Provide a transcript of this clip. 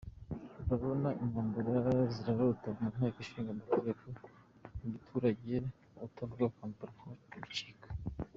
Urabona intambara zirarota mu nteko ishinga mategeko, mugiturage utavuze Kampala ho bicika.